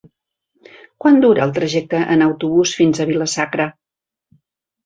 Quant dura el trajecte en autobús fins a Vila-sacra?